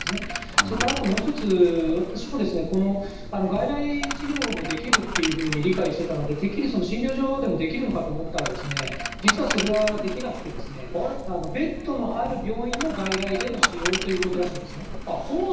それからあともう一つ、私もこの外来治療もできるっていうふうに理解してたので、てっきり診療所でもできると思ったら、実はそれはできなくてですね、ベッドのある病院の外来での使用ということらしいんですね。